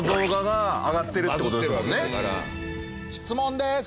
質問です！